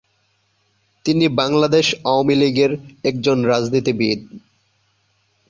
তিনি বাংলাদেশ আওয়ামী লীগের একজন রাজনীতিবিদ।